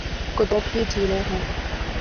قدرتی جھیلیں ہیں